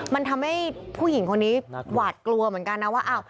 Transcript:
มันทำให้ผู้หญิงคนนี้หวาดกลัวเหมือนกันนะว่า